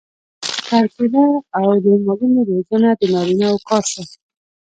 کرکیله او د مالونو روزنه د نارینه وو کار شو.